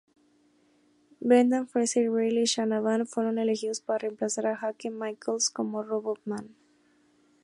Brendan Fraser y Riley Shanahan fueron elegidos para reemplazar a Jake Michaels como Robotman.